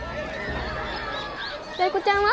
タイ子ちゃんは？